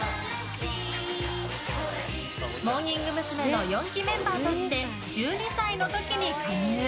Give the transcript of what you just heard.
モーニング娘。の４期メンバーとして１２歳の時に加入。